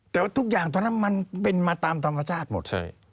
แต่ทุกอย่างตอนนั้นมันเป็นมาตามธรรมชาติหมดเลย